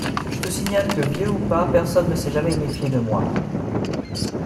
Je te signale que, vieux ou pas, personne ne s’est jamais méfié de moi.